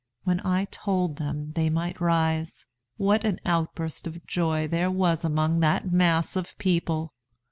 When I told them they might rise, what an outburst of joy there was among that mass of people!